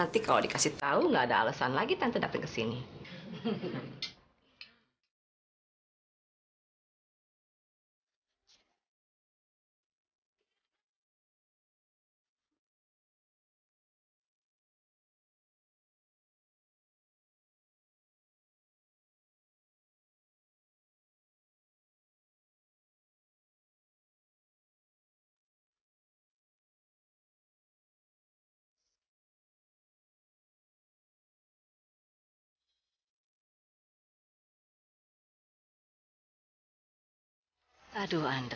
nih mas taksinya